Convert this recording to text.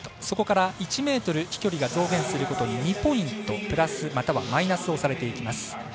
そこから１ｍ飛距離が増減することに２ポイントプラスまたはマイナスされていきます。